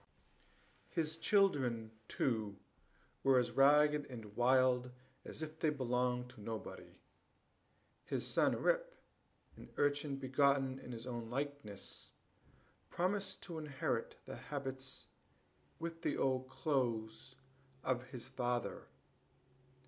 His children, too, were as ragged and wild as if they belonged to nobody. His son Rip, an urchin begotten in his own likeness, promised to inherit the habits, with the old clothes of his father.